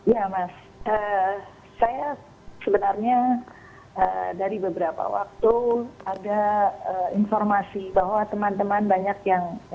ya mas saya sebenarnya dari beberapa waktu ada informasi bahwa teman teman banyak yang